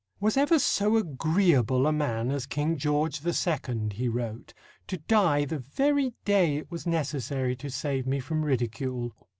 "Was ever so agreeable a man as King George the Second," he wrote, "to die the very day it was necessary to save me from ridicule?"